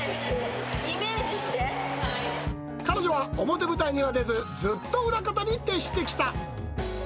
イメージし彼女は表舞台には出ず、ずっと裏方に徹してきた。